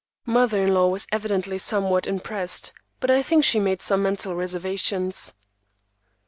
Mother in law was evidently somewhat impressed, but I think she made some mental reservations.